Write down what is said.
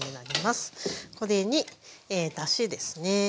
これにだしですね。